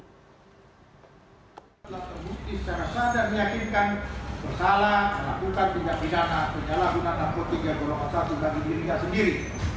bersalah melakukan pindahan pidana pidana hukum narkotika golongan satu dari dirinya sendiri